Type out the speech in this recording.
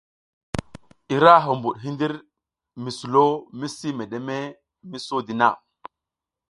Ira huɓuɗ hindir mi sulo misi medeme mi sodi na.